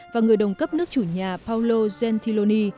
và người đồng cấp nước chủ nhà paolo gentiloni